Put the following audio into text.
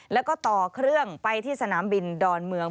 แล้วก็ต่อเครื่องไปที่สนามบินดอนเมือง